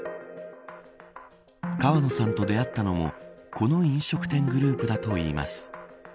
川野さんと出会ったのもこの飲食店グループだといいます。